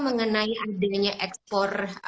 mengenai adanya ekspor